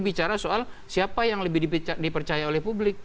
bicara soal siapa yang lebih dipercaya oleh publik